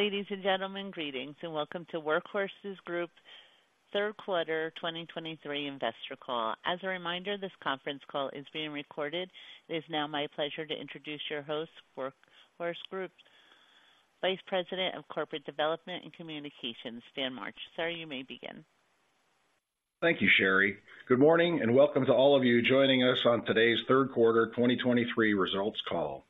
Ladies and gentlemen, greetings, and welcome to Workhorse Group's third quarter 2023 investor call. As a reminder, this conference call is being recorded. It is now my pleasure to introduce your host, Workhorse Group's Vice President of Corporate Development and Communications, Stan March. Sir, you may begin. Thank you, Sherry. Good morning, and welcome to all of you joining us on today's third quarter 2023 results call.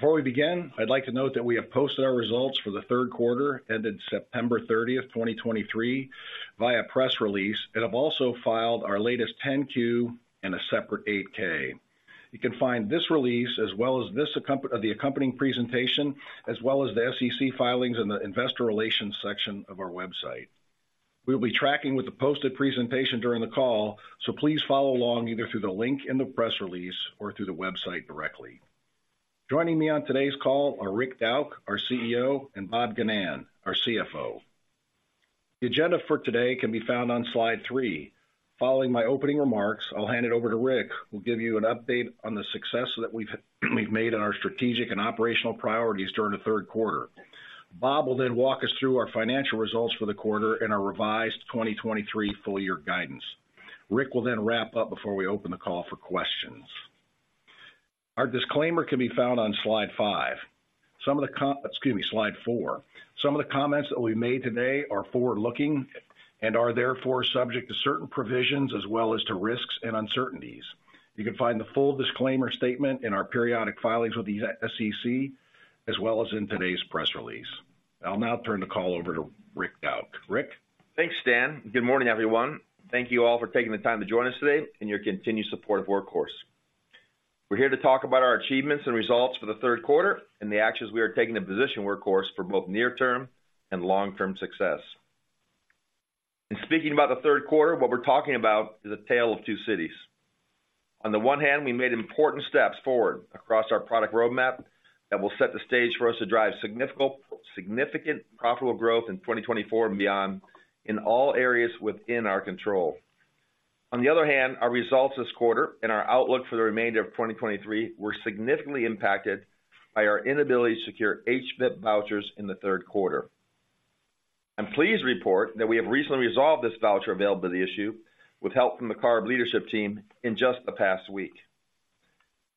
Before we begin, I'd like to note that we have posted our results for the third quarter, ended September 30, 2023, via press release, and have also filed our latest 10-Q and a separate 8-K. You can find this release as well as the accompanying presentation, as well as the SEC filings in the investor relations section of our website. We'll be tracking with the posted presentation during the call, so please follow along either through the link in the press release or through the website directly. Joining me on today's call are Rick Dauch, our CEO, and Bob Ginnan, our CFO. The agenda for today can be found on slide 3. Following my opening remarks, I'll hand it over to Rick, who'll give you an update on the success that we've made in our strategic and operational priorities during the third quarter. Bob will then walk us through our financial results for the quarter and our revised 2023 full year guidance. Rick will then wrap up before we open the call for questions. Our disclaimer can be found on slide five. Excuse me, slide four. Some of the comments that we made today are forward-looking and are therefore subject to certain provisions as well as to risks and uncertainties. You can find the full disclaimer statement in our periodic filings with the SEC, as well as in today's press release. I'll now turn the call over to Rick Dauch. Rick? Thanks, Stan. Good morning, everyone. Thank you all for taking the time to join us today and your continued support of Workhorse. We're here to talk about our achievements and results for the third quarter and the actions we are taking to position Workhorse for both near-term and long-term success. In speaking about the third quarter, what we're talking about is a tale of two cities. On the one hand, we made important steps forward across our product roadmap that will set the stage for us to drive significant, significant profitable growth in 2024 and beyond in all areas within our control. On the other hand, our results this quarter and our outlook for the remainder of 2023 were significantly impacted by our inability to secure HVIP vouchers in the third quarter. I'm pleased to report that we have recently resolved this voucher availability issue with help from the CARB leadership team in just the past week.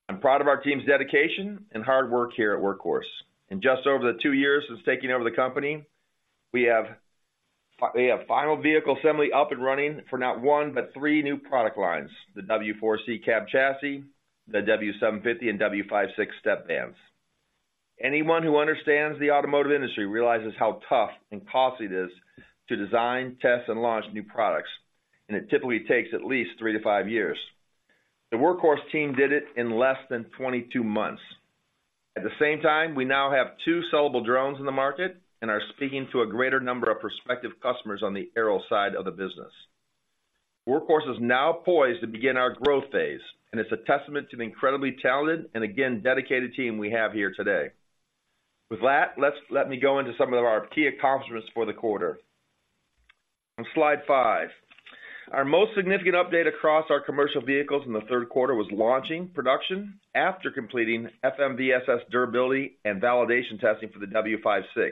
I'm proud of our team's dedication and hard work here at Workhorse. In just over the 2 years since taking over the company, we have final vehicle assembly up and running for not one, but 3 new product lines, the W4CC cab chassis, the W750, and W56 step vans. Anyone who understands the automotive industry realizes how tough and costly it is to design, test, and launch new products, and it typically takes at least 3-5 years. The Workhorse team did it in less than 22 months. At the same time, we now have two sellable drones in the market and are speaking to a greater number of prospective customers on the aero side of the business. Workhorse is now poised to begin our growth phase, and it's a testament to the incredibly talented and again, dedicated team we have here today. With that, let's, let me go into some of our key accomplishments for the quarter. On slide 5, our most significant update across our commercial vehicles in the third quarter was launching production after completing FMVSS durability and validation testing for the W56,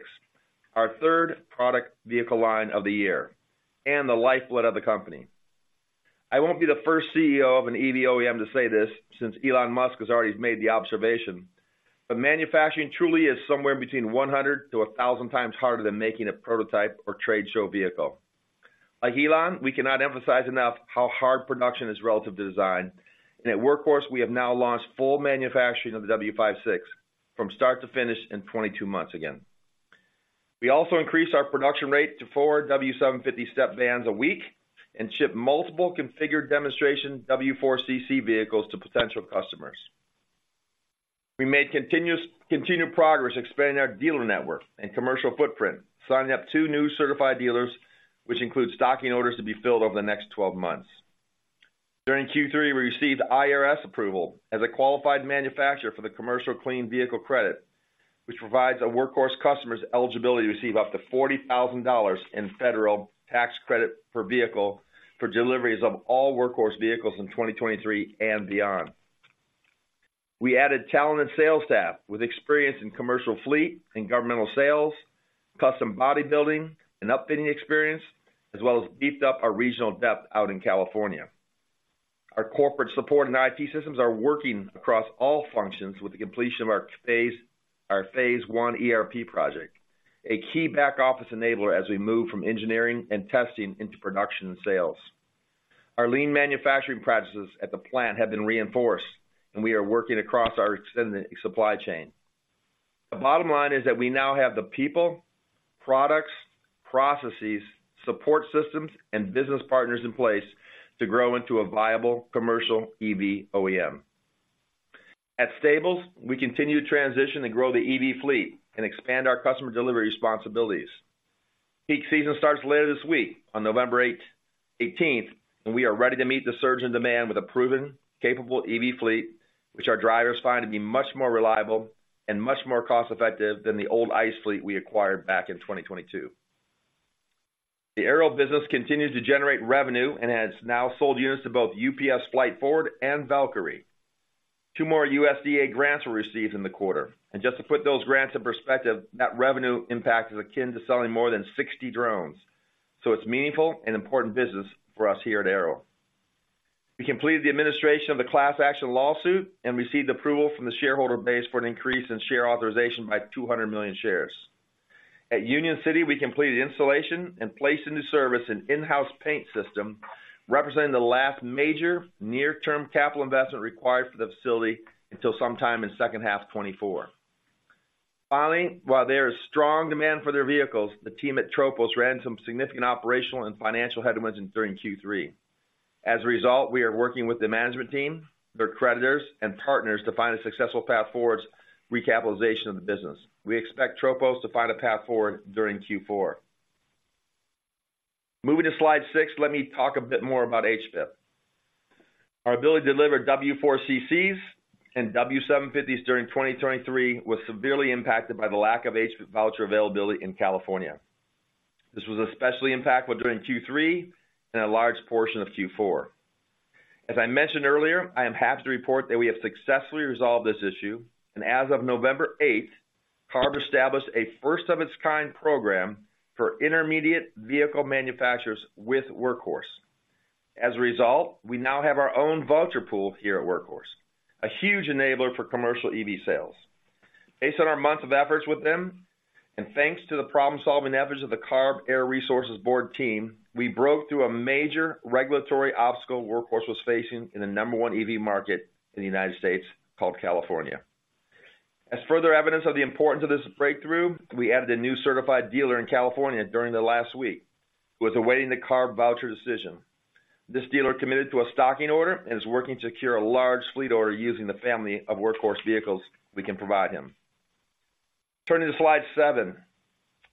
our third product vehicle line of the year and the lifeblood of the company. I won't be the first CEO of an EV OEM to say this, since Elon Musk has already made the observation, but manufacturing truly is somewhere between 100-1,000 times harder than making a prototype or trade show vehicle. Like Elon, we cannot emphasize enough how hard production is relative to design, and at Workhorse, we have now launched full manufacturing of the W56 from start to finish in 22 months again. We also increased our production rate to 4 W750 step vans a week and shipped multiple configured demonstration W4CC vehicles to potential customers. We made continuous, continued progress expanding our dealer network and commercial footprint, signing up two new certified dealers, which includes stocking orders to be filled over the next 12 months. During Q3, we received IRS approval as a qualified manufacturer for the Commercial Clean Vehicle Credit, which provides our Workhorse customers eligibility to receive up to $40,000 in federal tax credit per vehicle for deliveries of all Workhorse vehicles in 2023 and beyond. We added talented sales staff with experience in commercial fleet and governmental sales, custom bodybuilding, and upfitting experience, as well as beefed up our regional depth out in California. Our corporate support and IT systems are working across all functions with the completion of our phase, our phase one ERP project, a key back-office enabler as we move from engineering and testing into production and sales. Our lean manufacturing practices at the plant have been reinforced, and we are working across our extended supply chain. The bottom line is that we now have the people, products, processes, support systems, and business partners in place to grow into a viable commercial EV OEM. At Stables, we continue to transition and grow the EV fleet and expand our customer delivery responsibilities. Peak season starts later this week on November 8-18th, and we are ready to meet the surge in demand with a proven, capable EV fleet, which our drivers find to be much more reliable and much more cost-effective than the old ICE fleet we acquired back in 2022. The Aero business continues to generate revenue and has now sold units to both UPS Flight Forward and Valkyrie. Two more USDA grants were received in the quarter, and just to put those grants in perspective, that revenue impact is akin to selling more than 60 drones. So it's meaningful and important business for us here at Aero. We completed the administration of the class action lawsuit and received approval from the shareholder base for an increase in share authorization by 200 million shares. At Union City, we completed installation and placed into service an in-house paint system, representing the last major near-term capital investment required for the facility until sometime in second half 2024. Finally, while there is strong demand for their vehicles, the team at Tropos ran some significant operational and financial headwinds during Q3. As a result, we are working with the management team, their creditors, and partners to find a successful path forward recapitalization of the business. We expect Tropos to find a path forward during Q4. Moving to slide 6, let me talk a bit more about HVIP. Our ability to deliver W4CCs and W750s during 2023 was severely impacted by the lack of HVIP voucher availability in California. This was especially impactful during Q3 and a large portion of Q4. As I mentioned earlier, I am happy to report that we have successfully resolved this issue, and as of November eighth, CARB established a first-of-its-kind program for intermediate vehicle manufacturers with Workhorse. As a result, we now have our own voucher pool here at Workhorse, a huge enabler for commercial EV sales. Based on our months of efforts with them, and thanks to the problem-solving efforts of the CARB Air Resources Board team, we broke through a major regulatory obstacle Workhorse was facing in the number one EV market in the United States, called California. As further evidence of the importance of this breakthrough, we added a new certified dealer in California during the last week, who was awaiting the CARB voucher decision. This dealer committed to a stocking order and is working to secure a large fleet order using the family of Workhorse vehicles we can provide him. Turning to slide 7,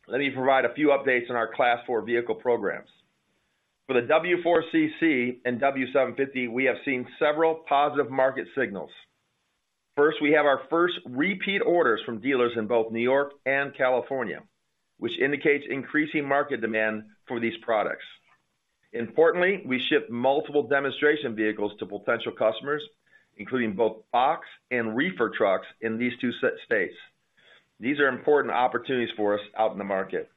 let me provide a few updates on our Class 4 vehicle programs. For the W4CC and W750, we have seen several positive market signals. First, we have our first repeat orders from dealers in both New York and California, which indicates increasing market demand for these products. Importantly, we shipped multiple demonstration vehicles to potential customers, including both box and reefer trucks in these two states. These are important opportunities for us out in the market.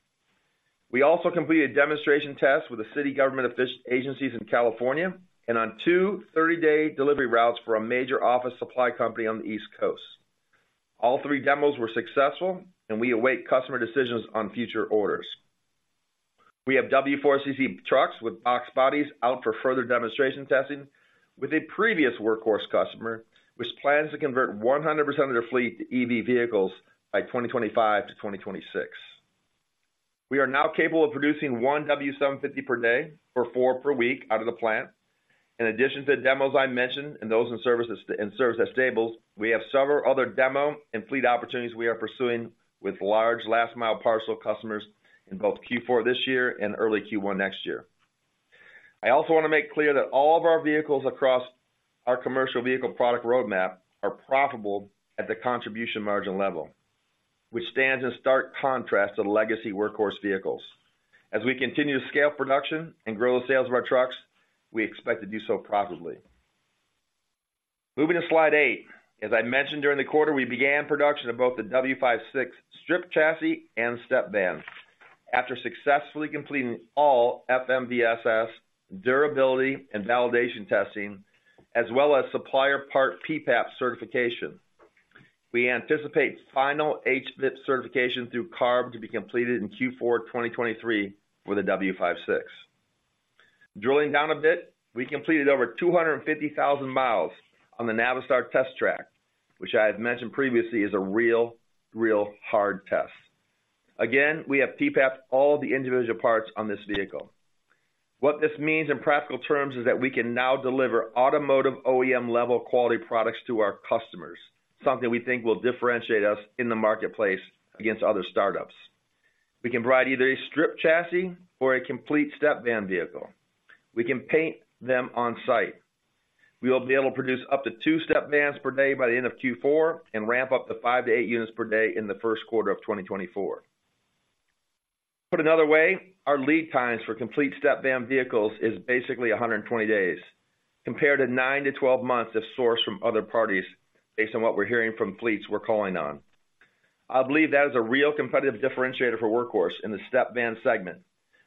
We also completed demonstration tests with the city government agencies in California and on 2 30-day delivery routes for a major office supply company on the East Coast. All 3 demos were successful, and we await customer decisions on future orders. We have W4CC trucks with box bodies out for further demonstration testing with a previous Workhorse customer, which plans to convert 100% of their fleet to EV vehicles by 2025 to 2026. We are now capable of producing one W750 per day or four per week out of the plant. In addition to the demos I mentioned and those in service as Stables, we have several other demo and fleet opportunities we are pursuing with large last-mile parcel customers in both Q4 this year and early Q1 next year. I also want to make clear that all of our vehicles across our commercial vehicle product roadmap are profitable at the contribution margin level, which stands in stark contrast to the legacy Workhorse vehicles. As we continue to scale production and grow the sales of our trucks, we expect to do so profitably. Moving to slide 8. As I mentioned during the quarter, we began production of both the W56 strip chassis and step van. After successfully completing all FMVSS, durability, and validation testing, as well as supplier part PPAP certification. We anticipate final HVIP certification through CARB to be completed in Q4 2023 for the W56. Drilling down a bit, we completed over 250,000 miles on the Navistar test track, which I have mentioned previously, is a real, real hard test. Again, we have PPAPed all the individual parts on this vehicle. What this means in practical terms is that we can now deliver automotive OEM-level quality products to our customers, something we think will differentiate us in the marketplace against other startups. We can provide either a strip chassis or a complete step van vehicle. We can paint them on-site. We will be able to produce up to 2 step vans per day by the end of Q4 and ramp up to 5-8 units per day in the first quarter of 2024. Put another way, our lead times for complete step van vehicles is basically 120 days, compared to 9-12 months if sourced from other parties, based on what we're hearing from fleets we're calling on. I believe that is a real competitive differentiator for Workhorse in the step van segment,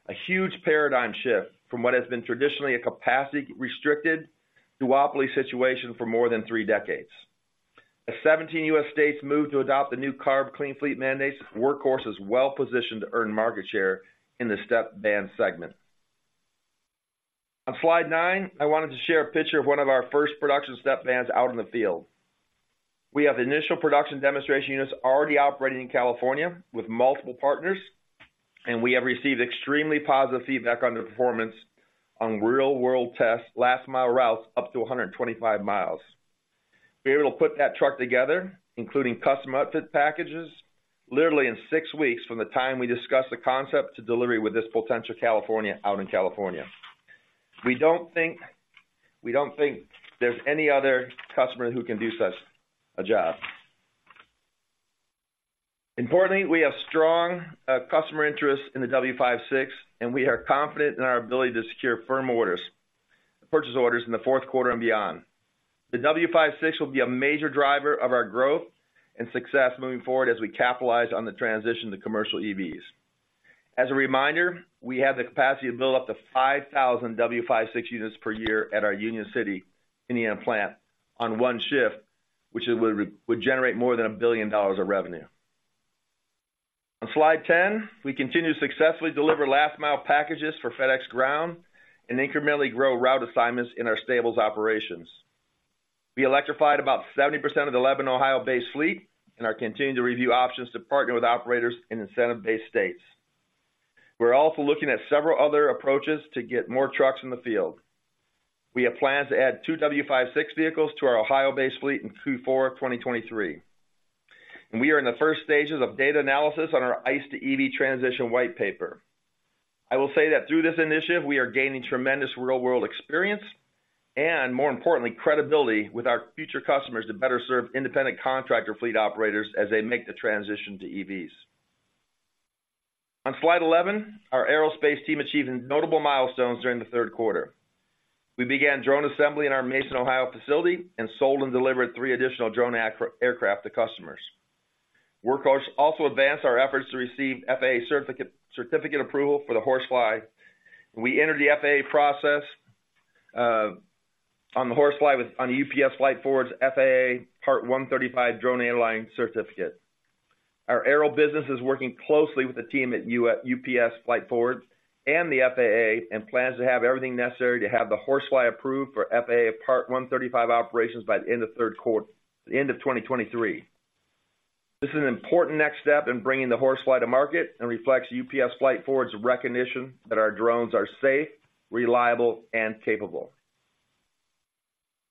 a huge paradigm shift from what has been traditionally a capacity-restricted duopoly situation for more than 3 decades. As 17 U.S. states move to adopt the new CARB Clean Fleet mandates, Workhorse is well positioned to earn market share in the step van segment. On slide 9, I wanted to share a picture of one of our first production step vans out in the field. We have initial production demonstration units already operating in California with multiple partners, and we have received extremely positive feedback on their performance on real-world tests, last-mile routes, up to 125 miles. We were able to put that truck together, including custom outfit packages, literally in six weeks from the time we discussed the concept to delivery with this potential California out in California. We don't think, we don't think there's any other customer who can do such a job.... Importantly, we have strong customer interest in the W56, and we are confident in our ability to secure firm orders, purchase orders in the fourth quarter and beyond. The W56 will be a major driver of our growth and success moving forward as we capitalize on the transition to commercial EVs. As a reminder, we have the capacity to build up to 5,000 W56 units per year at our Union City, Indiana plant on one shift, which would generate more than $1 billion of revenue. On slide 10, we continue to successfully deliver last mile packages for FedEx Ground and incrementally grow route assignments in our stables operations. We electrified about 70% of the Lebanon, Ohio-based fleet and are continuing to review options to partner with operators in incentive-based states. We're also looking at several other approaches to get more trucks in the field. We have plans to add two W56 vehicles to our Ohio-based fleet in Q4 of 2023. We are in the first stages of data analysis on our ICE to EV transition white paper. I will say that through this initiative, we are gaining tremendous real-world experience and, more importantly, credibility with our future customers to better serve independent contractor fleet operators as they make the transition to EVs. On slide 11, our aerospace team achieved notable milestones during the third quarter. We began drone assembly in our Mason, Ohio facility and sold and delivered three additional drone aircraft to customers. Workhorse also advanced our efforts to receive FAA certificate approval for the HorseFly. We entered the FAA process on the HorseFly with the UPS Flight Forward's FAA Part 135 drone airline certificate. Our Aero business is working closely with the team at UPS Flight Forward and the FAA, and plans to have everything necessary to have the HorseFly approved for FAA Part 135 operations by the end of third quarter, the end of 2023. This is an important next step in bringing the HorseFly to market and reflects UPS Flight Forward's recognition that our drones are safe, reliable, and capable.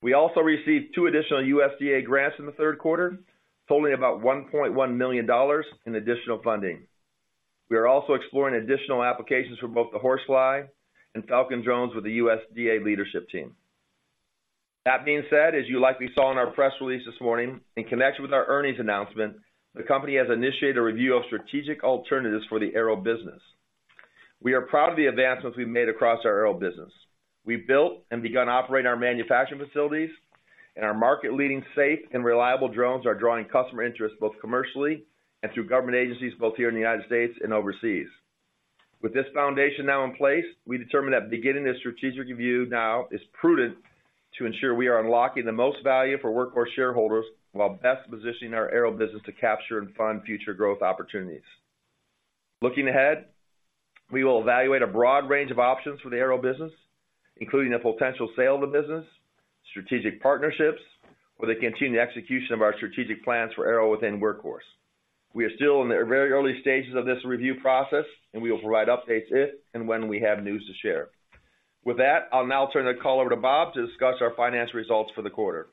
We also received two additional USDA grants in the third quarter, totaling about $1.1 million in additional funding. We are also exploring additional applications for both the HorseFly and Falcon drones with the USDA leadership team. That being said, as you likely saw in our press release this morning, in connection with our earnings announcement, the company has initiated a review of strategic alternatives for the Aero business. We are proud of the advancements we've made across our Aero business. We built and begun operating our manufacturing facilities, and our market-leading safe and reliable drones are drawing customer interest, both commercially and through government agencies, both here in the United States and overseas. With this foundation now in place, we determined that beginning this strategic review now is prudent to ensure we are unlocking the most value for Workhorse shareholders, while best positioning our Aero business to capture and fund future growth opportunities. Looking ahead, we will evaluate a broad range of options for the Aero business, including a potential sale of the business, strategic partnerships, or the continued execution of our strategic plans for Aero within Workhorse. We are still in the very early stages of this review process, and we will provide updates if and when we have news to share. With that, I'll now turn the call over to Bob to discuss our financial results for the quarter.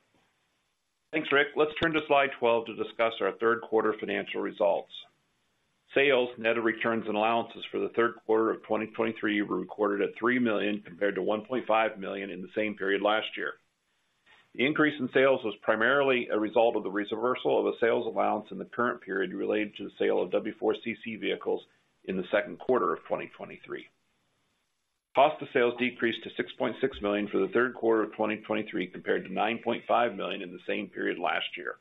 Thanks, Rick. Let's turn to slide 12 to discuss our third quarter financial results. Sales, net of returns and allowances for the third quarter of 2023 were recorded at $3 million, compared to $1.5 million in the same period last year. The increase in sales was primarily a result of the re-reversal of a sales allowance in the current period related to the sale of W4CC vehicles in the second quarter of 2023. Cost of sales decreased to $6.6 million for the third quarter of 2023, compared to $9.5 million in the same period last year.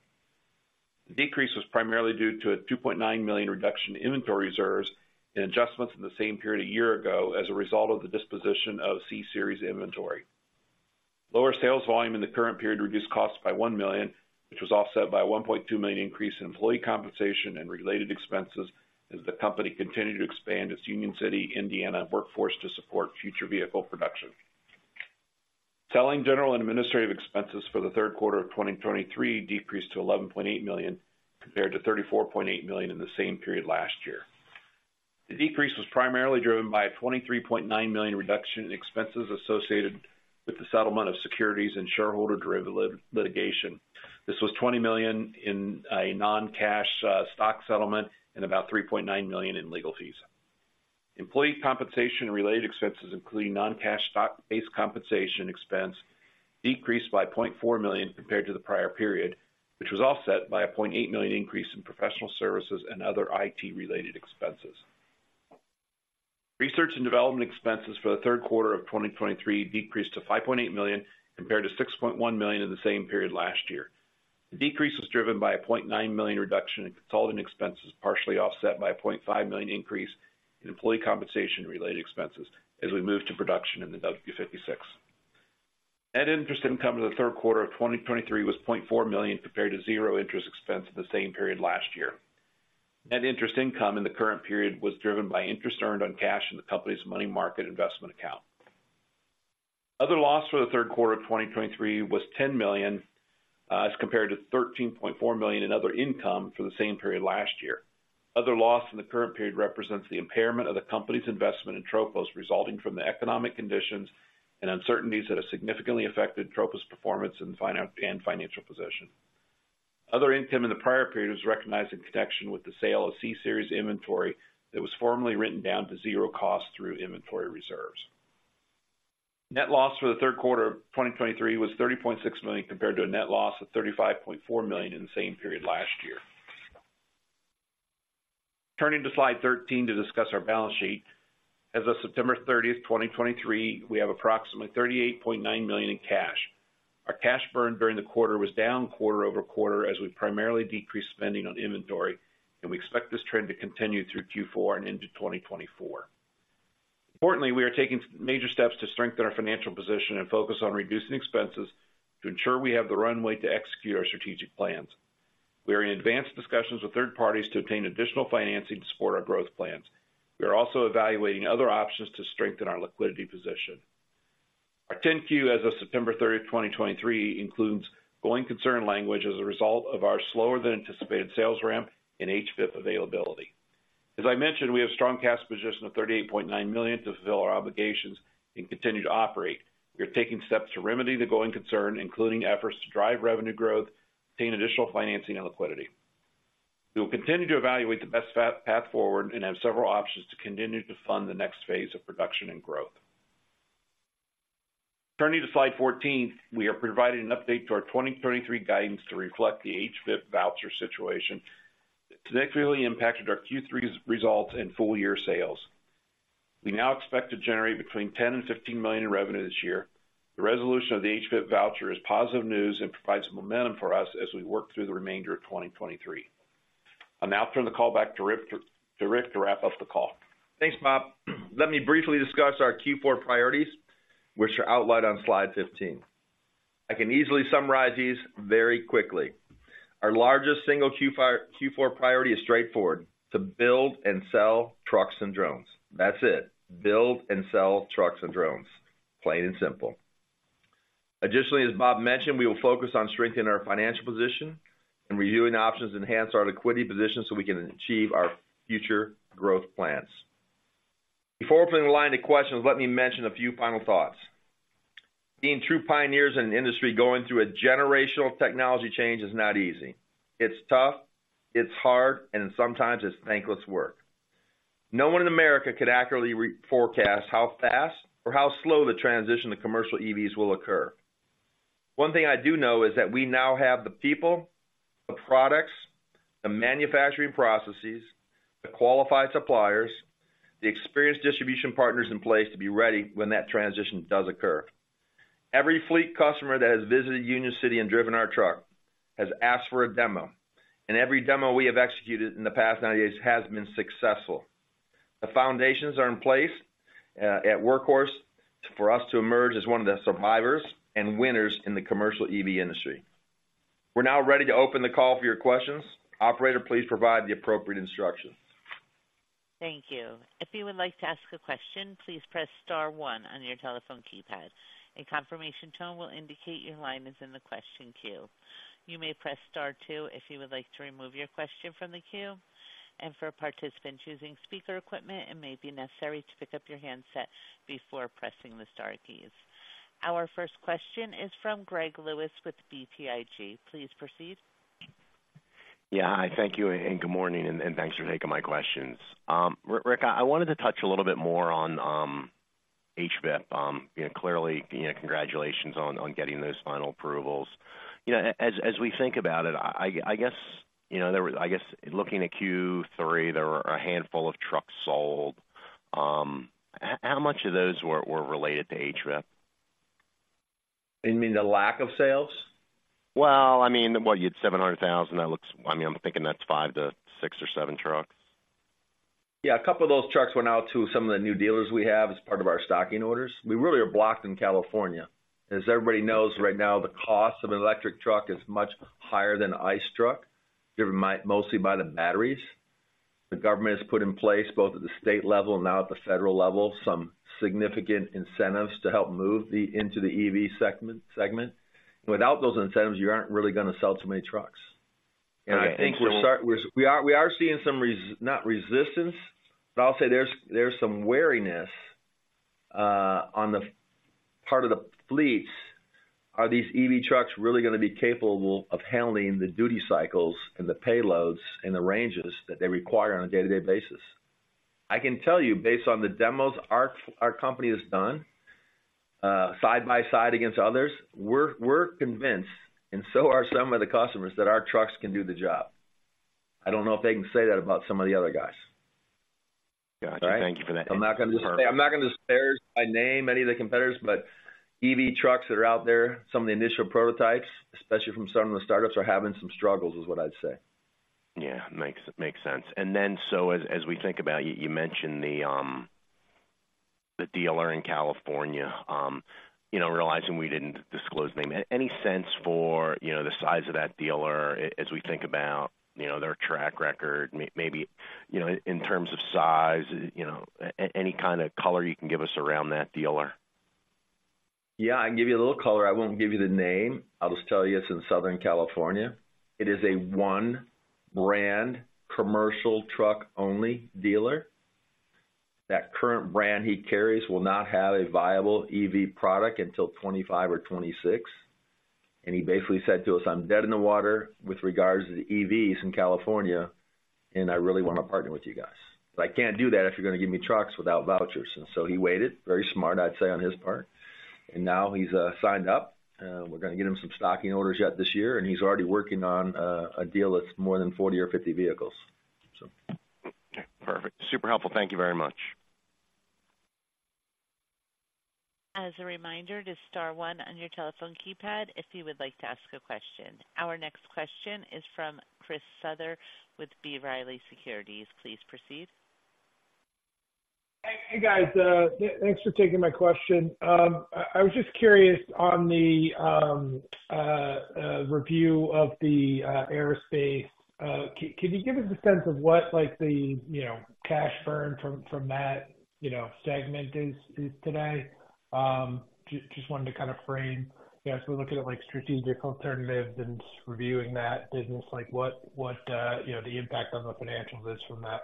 The decrease was primarily due to a $2.9 million reduction in inventory reserves and adjustments in the same period a year ago as a result of the disposition of C-Series inventory. Lower sales volume in the current period reduced costs by $1 million, which was offset by a $1.2 million increase in employee compensation and related expenses, as the company continued to expand its Union City, Indiana workforce to support future vehicle production. Selling, general, and administrative expenses for the third quarter of 2023 decreased to $11.8 million, compared to $34.8 million in the same period last year. The decrease was primarily driven by a $23.9 million reduction in expenses associated with the settlement of securities and shareholder derivative litigation. This was $20 million in a non-cash stock settlement and about $3.9 million in legal fees. Employee compensation and related expenses, including non-cash stock-based compensation expense, decreased by $0.4 million compared to the prior period, which was offset by a $0.8 million increase in professional services and other IT-related expenses. Research and development expenses for the third quarter of 2023 decreased to $5.8 million, compared to $6.1 million in the same period last year. The decrease was driven by a $0.9 million reduction in consulting expenses, partially offset by a $0.5 million increase in employee compensation-related expenses as we moved to production in the W56. Net interest income in the third quarter of 2023 was $0.4 million, compared to $0 interest expense in the same period last year. Net interest income in the current period was driven by interest earned on cash in the company's money market investment account. Other loss for the third quarter of 2023 was $10 million, as compared to $13.4 million in other income for the same period last year. Other loss in the current period represents the impairment of the company's investment in Tropos, resulting from the economic conditions and uncertainties that have significantly affected Tropos' performance and financial position. Other income in the prior period was recognized in connection with the sale of C-Series inventory that was formerly written down to zero cost through inventory reserves. Net loss for the third quarter of 2023 was $30.6 million, compared to a net loss of $35.4 million in the same period last year. Turning to slide 13 to discuss our balance sheet. As of September 30, 2023, we have approximately $38.9 million in cash. Our cash burn during the quarter was down quarter over quarter as we primarily decreased spending on inventory, and we expect this trend to continue through Q4 and into 2024. Importantly, we are taking major steps to strengthen our financial position and focus on reducing expenses to ensure we have the runway to execute our strategic plans. We are in advanced discussions with third parties to obtain additional financing to support our growth plans. We are also evaluating other options to strengthen our liquidity position. Our 10-Q as of September 30, 2023, includes going concern language as a result of our slower than anticipated sales ramp and HVIP availability. As I mentioned, we have strong cash position of $38.9 million to fulfill our obligations and continue to operate. We are taking steps to remedy the going concern, including efforts to drive revenue growth, obtain additional financing and liquidity. We will continue to evaluate the best path forward and have several options to continue to fund the next phase of production and growth. Turning to slide 14, we are providing an update to our 2023 guidance to reflect the HVIP voucher situation that significantly impacted our Q3 results and full year sales. We now expect to generate between $10 million and $15 million in revenue this year. The resolution of the HVIP voucher is positive news and provides momentum for us as we work through the remainder of 2023. I'll now turn the call back to Rick to Rick, to wrap up the call. Thanks, Bob. Let me briefly discuss our Q4 priorities, which are outlined on slide 15. I can easily summarize these very quickly. Our largest single Q4 priority is straightforward, to build and sell trucks and drones. That's it. Build and sell trucks and drones. Plain and simple. Additionally, as Bob mentioned, we will focus on strengthening our financial position and reviewing options to enhance our liquidity position so we can achieve our future growth plans. Before opening the line of questions, let me mention a few final thoughts. Being true pioneers in an industry going through a generational technology change is not easy. It's tough, it's hard, and sometimes it's thankless work. No one in America could accurately forecast how fast or how slow the transition to commercial EVs will occur. One thing I do know is that we now have the people, the products, the manufacturing processes, the qualified suppliers, the experienced distribution partners in place to be ready when that transition does occur. Every fleet customer that has visited Union City and driven our truck has asked for a demo, and every demo we have executed in the past 90 days has been successful. The foundations are in place, at Workhorse for us to emerge as one of the survivors and winners in the commercial EV industry. We're now ready to open the call for your questions. Operator, please provide the appropriate instructions. Thank you. If you would like to ask a question, please press star one on your telephone keypad. A confirmation tone will indicate your line is in the question queue. You may press star two if you would like to remove your question from the queue, and for a participant choosing speaker equipment, it may be necessary to pick up your handset before pressing the star keys. Our first question is from Greg Lewis with BTIG. Please proceed. Yeah. Hi, thank you, and good morning, and thanks for taking my questions. Rick, I wanted to touch a little bit more on HVIP. You know, clearly, you know, congratulations on getting those final approvals. You know, as we think about it, I guess, you know, there were—I guess looking at Q3, there were a handful of trucks sold. How much of those were related to HVIP? You mean the lack of sales? Well, I mean, what? You had $700,000. That looks... I mean, I'm thinking that's 5-6 or 7 trucks. Yeah, a couple of those trucks went out to some of the new dealers we have as part of our stocking orders. We really are blocked in California. As everybody knows, right now, the cost of an electric truck is much higher than an ICE truck, driven mostly by the batteries. The government has put in place, both at the state level and now at the federal level, some significant incentives to help move into the EV segment. Without those incentives, you aren't really going to sell too many trucks. Okay, so- I think we are seeing some—not resistance, but I'll say there's some wariness on the part of the fleets. Are these EV trucks really going to be capable of handling the duty cycles and the payloads and the ranges that they require on a day-to-day basis? I can tell you, based on the demos our company has done, side by side against others, we're convinced, and so are some of the customers, that our trucks can do the job. I don't know if they can say that about some of the other guys. Gotcha. All right? Thank you for that. I'm not going to disparage by name any of the competitors, but EV trucks that are out there, some of the initial prototypes, especially from some of the startups, are having some struggles, is what I'd say. Yeah, makes, makes sense. And then, so as we think about, you mentioned the dealer in California, you know, realizing we didn't disclose the name. Any sense for, you know, the size of that dealer as we think about, you know, their track record, maybe, you know, in terms of size, you know, any kind of color you can give us around that dealer? Yeah, I can give you a little color. I won't give you the name. I'll just tell you it's in Southern California. It is a one-brand, commercial truck-only dealer. That current brand he carries will not have a viable EV product until 2025 or 2026.... and he basically said to us, "I'm dead in the water with regards to the EVs in California, and I really want to partner with you guys. But I can't do that if you're going to give me trucks without vouchers." And so he waited. Very smart, I'd say, on his part, and now he's signed up. We're going to get him some stocking orders yet this year, and he's already working on a deal that's more than 40 or 50 vehicles, so. Okay, perfect. Super helpful. Thank you very much. As a reminder to star one on your telephone keypad, if you would like to ask a question. Our next question is from Chris Souther with B. Riley Securities. Please proceed. Hey, guys, thanks for taking my question. I was just curious on the review of the Aero. Can you give us a sense of what, like, the, you know, cash burn from that, you know, segment is today? Just wanted to kind of frame, you know, as we're looking at, like, strategic alternatives and reviewing that business, like, what, you know, the impact on the financials is from that?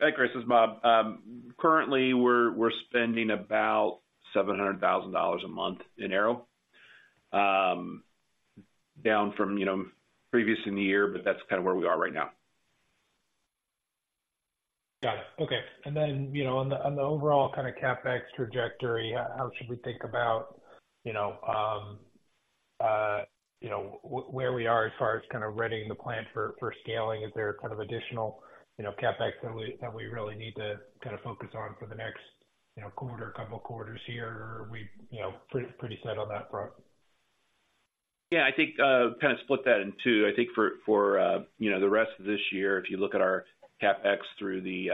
Hey, Chris, it's Bob. Currently, we're spending about $700,000 a month in Aero. Down from, you know, previous in the year, but that's kind of where we are right now. Got it. Okay. And then, you know, on the overall kind of CapEx trajectory, how should we think about, you know, where we are as far as kind of readying the plan for scaling? Is there kind of additional, you know, CapEx that we really need to kind of focus on for the next, you know, quarter, couple of quarters here? Or are we, you know, pretty set on that front? Yeah, I think kind of split that in two. I think for, you know, the rest of this year, if you look at our CapEx through the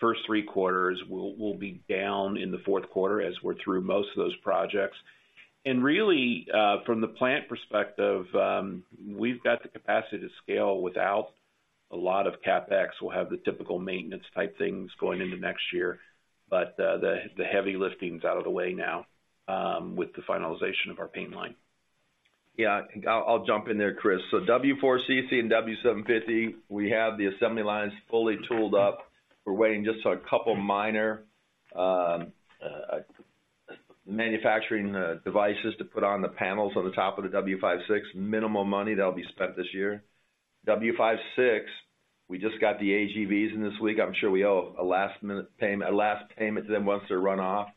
first three quarters, we'll be down in the fourth quarter as we're through most of those projects. And really, from the plant perspective, we've got the capacity to scale without a lot of CapEx. We'll have the typical maintenance type things going into next year, but the heavy lifting is out of the way now, with the finalization of our paint line. Yeah, I think I'll jump in there, Chris. So W4CC and W750, we have the assembly lines fully tooled up. We're waiting just on a couple minor manufacturing devices to put on the panels on the top of the W56. Minimal money that'll be spent this year. W56, we just got the AGVs in this week. I'm sure we owe a last-minute payment, a last payment to them once they're run off,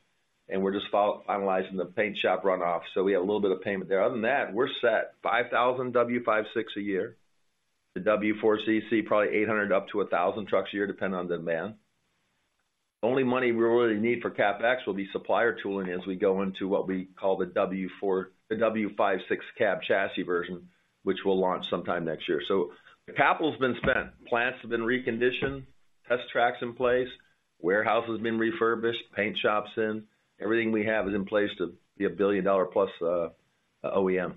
and we're just finalizing the paint shop runoff. So we have a little bit of payment there. Other than that, we're set, 5,000 W56 a year. The W4CC, probably 800 up to 1,000 trucks a year, depending on demand. Only money we really need for CapEx will be supplier tooling as we go into what we call the W4, the W56 cab chassis version, which we'll launch sometime next year. So the capital's been spent, plants have been reconditioned, test tracks in place, warehouse has been refurbished, paint shops in. Everything we have is in place to be a billion-dollar plus, OEM.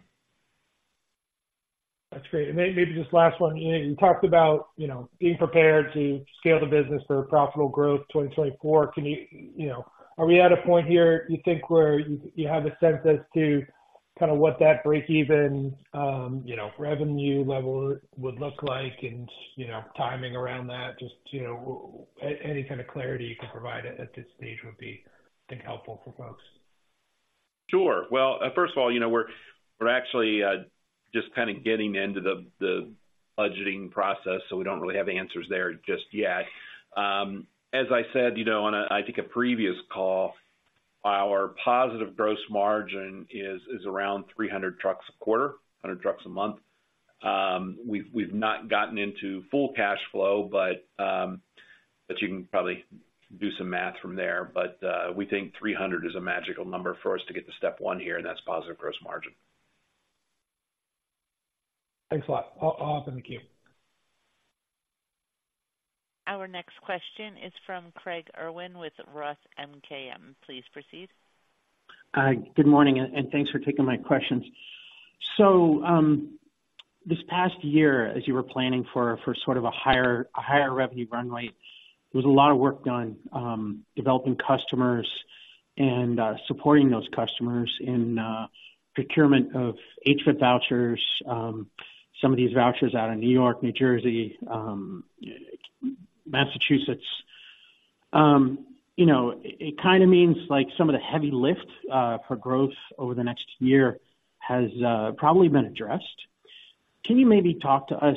That's great. And maybe just last one. You know, you talked about, you know, being prepared to scale the business for profitable growth, 2024. Can you, you know, are we at a point here, you think, where you, you have a sense as to kind of what that break even, you know, revenue level would look like and, you know, timing around that? Just, you know, any kind of clarity you can provide at, at this stage would be, I think, helpful for folks. Sure. Well, first of all, you know, we're, we're actually just kind of getting into the budgeting process, so we don't really have answers there just yet. As I said, you know, on a, I think a previous call, our positive gross margin is, is around 300 trucks a quarter, 100 trucks a month. We've, we've not gotten into full cash flow, but, but you can probably do some math from there. But, we think 300 is a magical number for us to get to step one here, and that's positive gross margin. Thanks a lot. I'll open the queue. Our next question is from Craig Irwin with Roth MKM. Please proceed. Good morning, and thanks for taking my questions. So, this past year, as you were planning for sort of a higher revenue runway, there was a lot of work done, developing customers and, supporting those customers in, procurement of HVIP vouchers, some of these vouchers out of New York, New Jersey, Massachusetts. You know, it kind of means like some of the heavy lift for growth over the next year has probably been addressed. Can you maybe talk to us,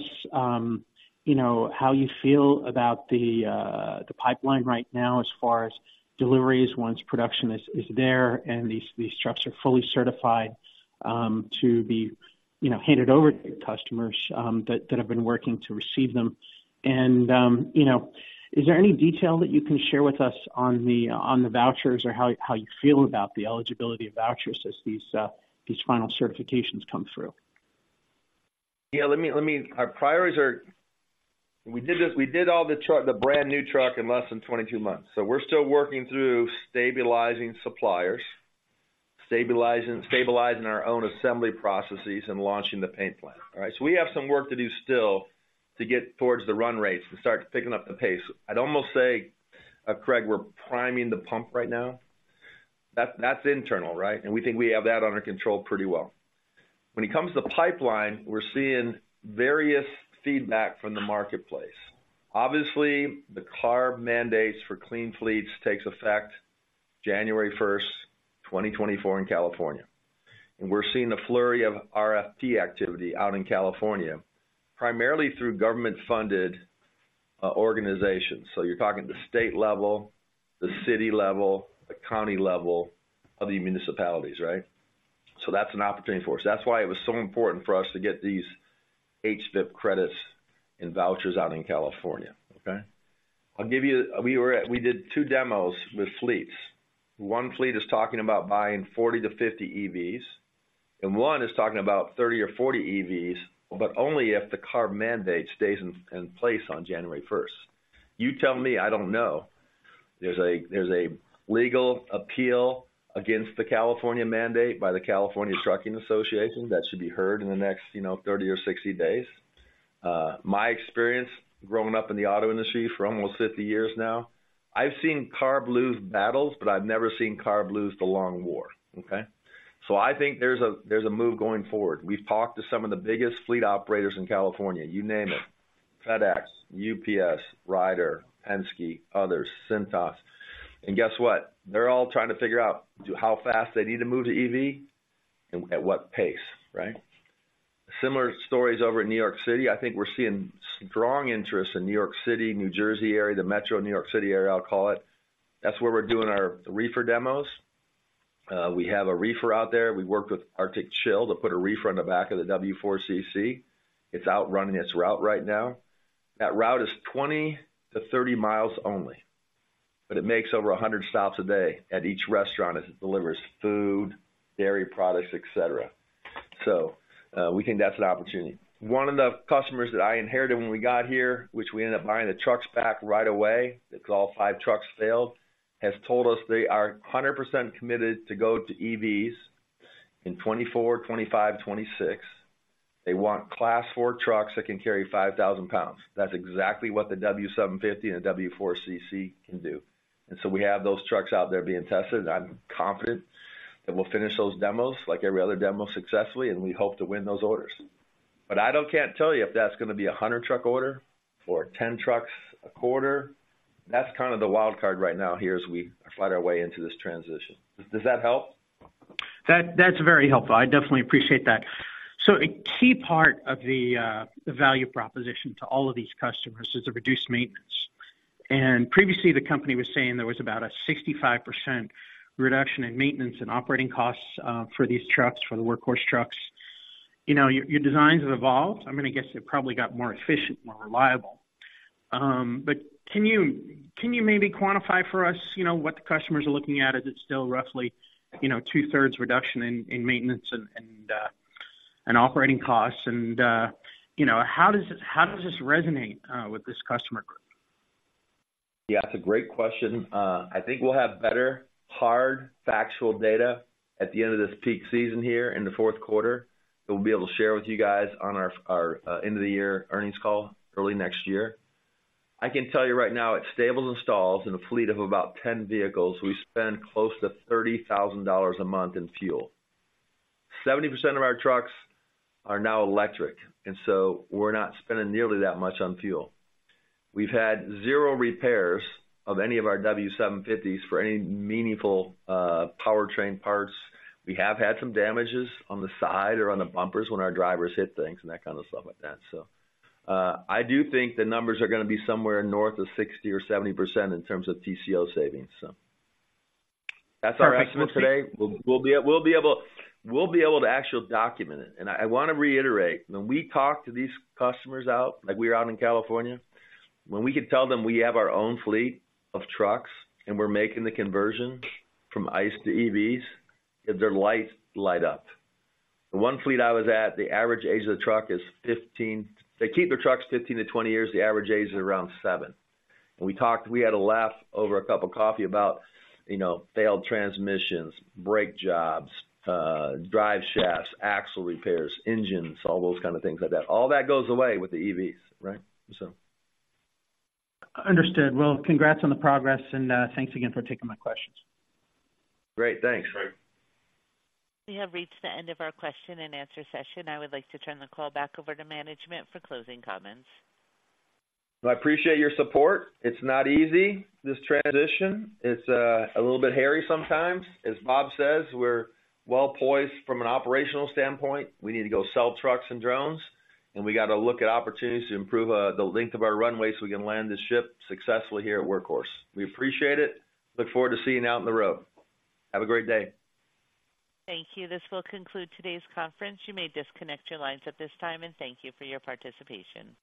you know, how you feel about the pipeline right now as far as deliveries, once production is there, and these trucks are fully certified, to be, you know, handed over to customers, that have been working to receive them? You know, is there any detail that you can share with us on the vouchers or how you feel about the eligibility of vouchers as these final certifications come through? Yeah, let me-- our priorities are... We did this, we did all the truck, the brand new truck in less than 22 months, so we're still working through stabilizing suppliers, stabilizing our own assembly processes, and launching the paint plan. All right? So we have some work to do still to get towards the run rates to start picking up the pace. I'd almost say, Craig, we're priming the pump right now. That's internal, right? And we think we have that under control pretty well.... When it comes to pipeline, we're seeing various feedback from the marketplace. Obviously, the CARB mandates for clean fleets takes effect January 1, 2024 in California. We're seeing a flurry of RFP activity out in California, primarily through government-funded organizations. So you're talking at the state level, the city level, the county level of the municipalities, right? So that's an opportunity for us. That's why it was so important for us to get these HVIP credits and vouchers out in California, okay? I'll give you-- we were at-- we did two demos with fleets. One fleet is talking about buying 40-50 EVs, and one is talking about 30 or 40 EVs, but only if the CARB mandate stays in place on January 1. You tell me, I don't know. There's a, there's a legal appeal against the California mandate by the California Trucking Association that should be heard in the next, you know, 30 or 60 days. My experience growing up in the auto industry for almost 50 years now, I've seen CARB lose battles, but I've never seen CARB lose the long war, okay? So I think there's a, there's a move going forward. We've talked to some of the biggest fleet operators in California, you name it, FedEx, UPS, Ryder, Penske, others, Cintas. And guess what? They're all trying to figure out to how fast they need to move to EV and at what pace, right? Similar stories over in New York City. I think we're seeing strong interest in New York City, New Jersey area, the metro New York City area, I'll call it. That's where we're doing our reefer demos. We have a reefer out there. We worked with Arctic Chill to put a reefer on the back of the W4CC. It's out running its route right now. That route is 20-30 miles only, but it makes over 100 stops a day at each restaurant as it delivers food, dairy products, et cetera. So, we think that's an opportunity. One of the customers that I inherited when we got here, which we ended up buying the trucks back right away, because all five trucks failed, has told us they are 100% committed to go to EVs in 2024, 2025, 2026. They want Class 4 trucks that can carry 5,000 pounds. That's exactly what the W750 and the W4CC can do. And so we have those trucks out there being tested, and I'm confident that we'll finish those demos like every other demo successfully, and we hope to win those orders. But I don't—can't tell you if that's going to be a 100-truck order or 10 trucks a quarter. That's kind of the wild card right now here as we fight our way into this transition. Does that help? That, that's very helpful. I definitely appreciate that. So a key part of the, the value proposition to all of these customers is the reduced maintenance. And previously, the company was saying there was about a 65% reduction in maintenance and operating costs, for these trucks, for the Workhorse trucks. You know, your, your designs have evolved. I'm gonna guess it probably got more efficient, more reliable. But can you, can you maybe quantify for us, you know, what the customers are looking at? Is it still roughly, you know, 2/3 reduction in maintenance and operating costs? And, you know, how does this, how does this resonate, with this customer group? Yeah, that's a great question. I think we'll have better, hard, factual data at the end of this peak season here in the fourth quarter. We'll be able to share with you guys on our end-of-the-year earnings call early next year. I can tell you right now, at Stables and in a fleet of about 10 vehicles, we spend close to $30,000 a month in fuel. 70% of our trucks are now electric, and so we're not spending nearly that much on fuel. We've had 0 repairs of any of our W750s for any meaningful powertrain parts. We have had some damages on the side or on the bumpers when our drivers hit things and that kind of stuff like that, so. I do think the numbers are going to be somewhere north of 60 or 70% in terms of TCO savings, so. Perfect. That's our estimate today. We'll be able to actually document it. And I want to reiterate, when we talk to these customers out, like we were out in California, when we could tell them we have our own fleet of trucks and we're making the conversion from ICE to EVs, their lights light up. The one fleet I was at, the average age of the truck is 15. They keep their trucks 15-20 years. The average age is around 7. And we talked, we had a laugh over a cup of coffee about, you know, failed transmissions, brake jobs, drive shafts, axle repairs, engines, all those kind of things like that. All that goes away with the EVs, right? So. Understood. Well, congrats on the progress, and, thanks again for taking my questions. Great. Thanks. We have reached the end of our question-and-answer session. I would like to turn the call back over to management for closing comments. I appreciate your support. It's not easy, this transition. It's a little bit hairy sometimes. As Bob says, we're well poised from an operational standpoint. We need to go sell trucks and drones, and we got to look at opportunities to improve the length of our runway, so we can land this ship successfully here at Workhorse. We appreciate it. Look forward to seeing you out on the road. Have a great day. Thank you. This will conclude today's conference. You may disconnect your lines at this time, and thank you for your participation.